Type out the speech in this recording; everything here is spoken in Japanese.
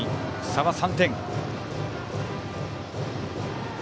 差は３点。